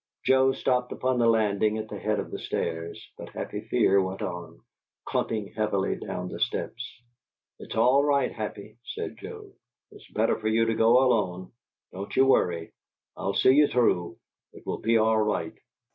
Joe stopped upon the landing at the head of the stairs, but Happy Fear went on, clumping heavily down the steps. "It's all right, Happy," said Joe. "It's better for you to go alone. Don't you worry. I'll see you through. It will be all right."